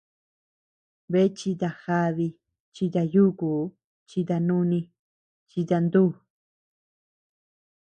Bea chita jadi, chita yukuu, chita núni, chita ntú.